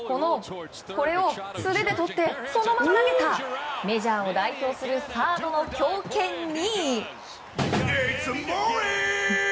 これを素手でとってそのまま投げたメジャーを代表するサードの強肩に。